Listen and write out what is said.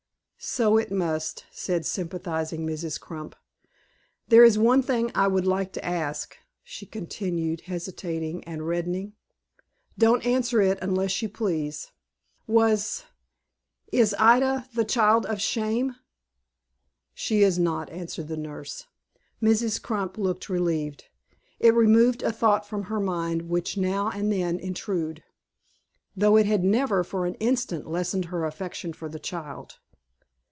"So it must," said sympathizing Mrs. Crump. "There is one thing I would like to ask," she continued, hesitating and reddening. "Don't answer it unless you please. Was is Ida the child of shame?" "She is not," answered the nurse. Mrs. Crump looked relieved. It removed a thought from her mind which would now and then intrude, though it had never, for an instant, lessened her affection for the child.